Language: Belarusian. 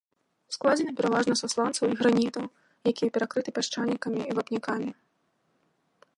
Складзены пераважна са сланцаў і гранітаў, якія перакрыты пясчанікамі і вапнякамі.